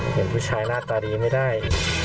เห็นผู้ชายหน้าตาดีไม่ได้